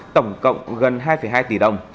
tổng cộng gần hai hai tỷ đồng